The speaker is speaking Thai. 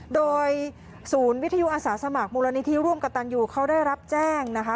โดยศูนย์วิทยุอาสาสมัครมูลนิธิร่วมกับตันยูเขาได้รับแจ้งนะคะ